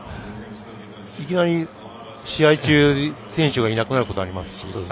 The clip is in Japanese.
いきなり試合中、選手がいなくなることありますし。